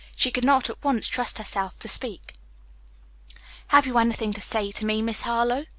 She could not at once trust herself to speak. "Have you anything to say to me, Miss Harlowe?"